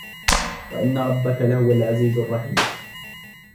وَإِنَّ رَبَّكَ لَهُوَ الْعَزِيزُ الرَّحِيمُ